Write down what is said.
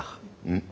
うん。